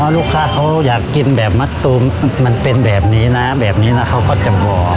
ลูกค้าเขาอยากกินแบบมะตูมมันเป็นแบบนี้นะแบบนี้นะเขาก็จะบอก